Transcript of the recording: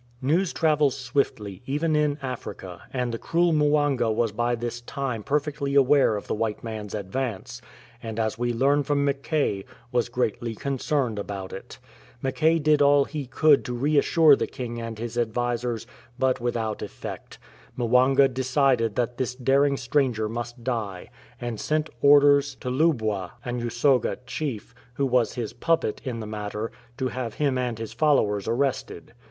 News travels swiftly even in Africa, and the cruel Mwanga was by this time perfectly aware of the white man's advance, and, as we learn from Mackay, was greatly concerned about it. Mackay did all he could to reassure the king and his advisers, but without effect. Mwanga decided that this daring stranger must die, and sent orders to Lubwa, an Usoga chief, who was his puppet in the matter, to have him and his followers arrested.